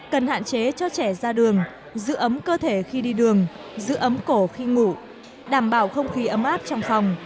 cần hạn chế cho trẻ ra đường giữ ấm cơ thể khi đi đường giữ ấm cổ khi ngủ đảm bảo không khí ấm áp trong phòng